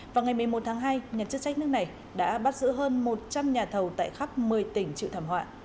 vào ngày một mươi một tháng hai nhà chức trách nước này đã bắt giữ hơn một trăm linh nhà thầu tại khắp một mươi tỉnh chịu thảm họa